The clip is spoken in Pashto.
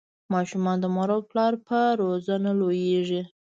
ماشومان د مور او پلار په روزنه لویږي.